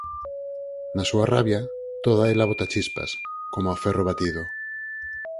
Na súa rabia, toda ela bota chispas, coma o ferro batido.